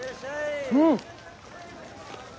うん！